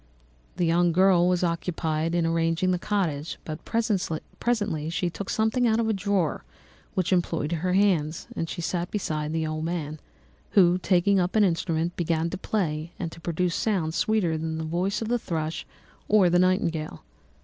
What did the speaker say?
The young girl was occupied in arranging the cottage; but presently she took something out of a drawer, which employed her hands, and she sat down beside the old man, who, taking up an instrument, began to play and to produce sounds sweeter than the voice of the thrush or the nightingale.